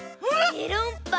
メロンパン？